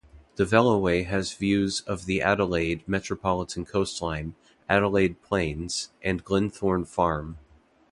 The Veloway has views of the Adelaide metropolitan coastline, Adelaide plains and Glenthorne Farm.